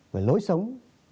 về lối sống